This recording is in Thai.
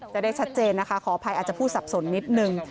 จะได้ชัดเจนนะคะขออภัยอาจจะพูดสับสนนิดนึง